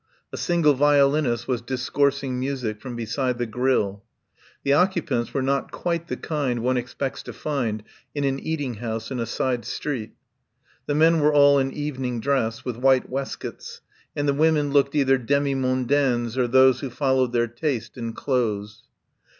A single violinist was discours ing music from beside the grill. The occu pants were not quite the kind one expects to find in an eating house in a side street. The men were all in evening dress with white waistcoats, and the women looked either demi mondaines or those who follow their taste in clothes.